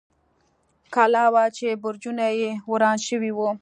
کلا وه، چې برجونه یې وران شوي و.